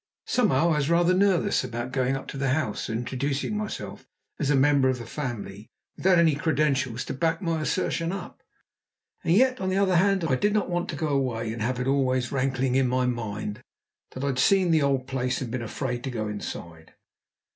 Somehow I was rather nervous about going up to the house and introducing myself as a member of the family without any credentials to back my assertion up; and yet, on the other hand, I did not want to go away and have it always rankling in my mind that I'd seen the old place and been afraid to go inside.